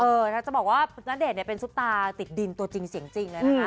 เออถ้าจะบอกว่าณเดชน์เนี่ยเป็นซุปตาติดดินตัวจริงจริงนะนะคะ